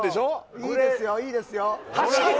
いいですよ、いいですよ。